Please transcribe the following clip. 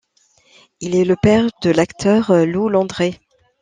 Il est le père de l'acteur Lou Landré.